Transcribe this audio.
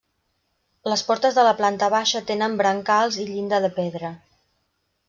Les portes de la planta baixa tenen brancals i llinda de pedra.